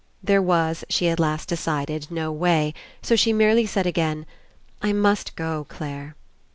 There was, she at last decided, no way; so she merely said again. "I must go, Clare."